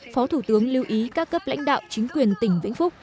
phó thủ tướng lưu ý các cấp lãnh đạo chính quyền tỉnh vĩnh phúc